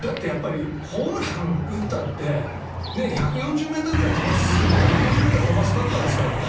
だってホームラン打ったって１５０ｍ飛ばすバッターですからね